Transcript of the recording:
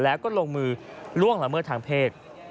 แล้วก็ลงมือล่วงละเมิดทางเพศ